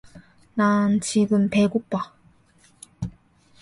난 지금 배고파.